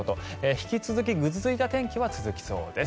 引き続きぐずついた天気は続きそうです。